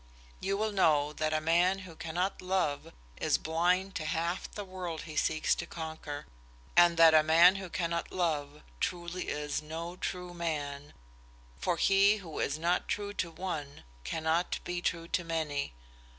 You will know that a man who cannot love is blind to half the world he seeks to conquer, and that a man who cannot love truly is no true man, for he who is not true to one cannot be true to many.